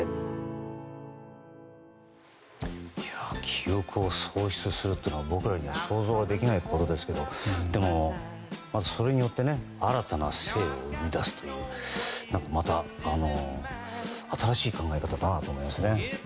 記憶を喪失するって僕らには想像ができないことですけどでも、それによって新たな生を生み出すってまた新しい考え方だなと思います。